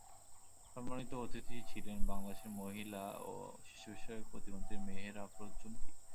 সম্মানিত অতিথি ছিলেন বাংলাদেশের মহিলা ও শিশুবিষয়ক প্রতিমন্ত্রী মেহের আফরোজ চুমকি।